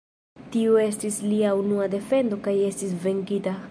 Tiu estis lia unua defendo kaj estis venkita.